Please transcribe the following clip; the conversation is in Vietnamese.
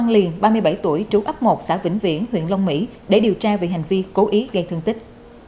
liền ba mươi bảy tuổi trú ấp một xã vĩnh viễn huyện long mỹ để điều tra về hành vi cố ý gây thương tích